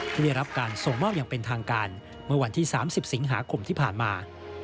ที่ได้รับการส่งมอบอย่างเป็นทางการเมื่อวันที่๓๐สิงหาคมที่ผ่านมา